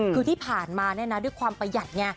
คือที่ผ่านมาด้วยความประหยัดไง